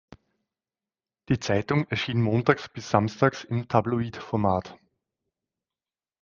Die Zeitung erschien montags bis samstags im Tabloid-Format.